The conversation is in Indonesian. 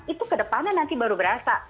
itu kedepannya nanti baru berasa